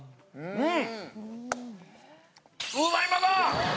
うん！